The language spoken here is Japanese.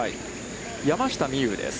山下美夢有です。